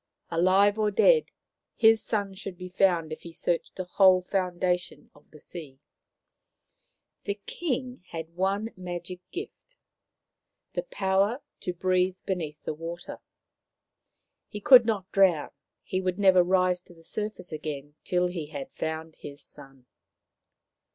Alive or dead, his son should be found if he searched the whole foundation of the sea. The King had one magic gift — the power to 207 208 Maoriland Fairy Tales breathe beneath the water. He could not drown ; he would never rise to the surface again till he had found his son.